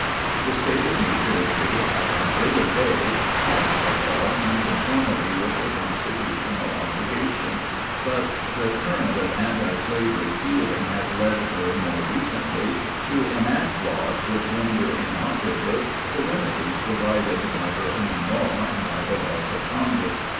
The State of New Jersey, at an early day, passed a law in conformity with her constitutional obligation ; but the current of anti slavery feeling has led her more recentty to enact laws which render inoperative the remedies provided by her own law and by the laws of Congress.